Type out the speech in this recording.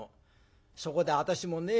そこで私もね